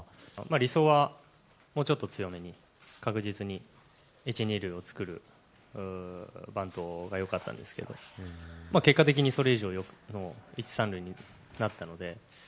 理想はもうちょっと強めに確実に１、２塁を作るバントがよかったんですけど、結果的にそれ以上の１、３塁になったので。